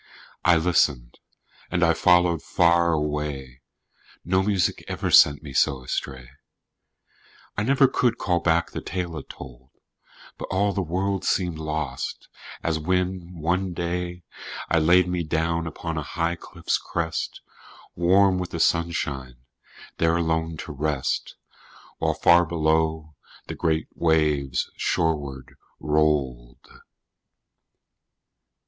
I listened, and I followed far away No music ever sent me so astray, I never could call back the tale it told, But all the world seemed lost, as when, one day, I laid me down upon a high cliff's crest, Warm with the sunshine, there alone to rest, While far below the great waves shoreward rolled.